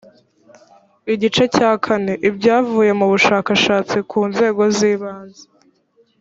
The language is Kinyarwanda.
igice cya iv ibyavuye mu bushakashatsi ku nzego z ibanze.